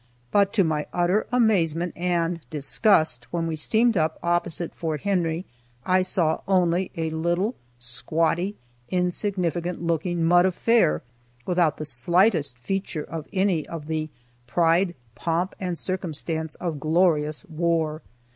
But, to my utter amazement and disgust, when we steamed up opposite Fort Henry I saw only a little squatty, insignificant looking mud affair, without the slightest feature of any of the "pride, pomp, and circumstance of glorious war."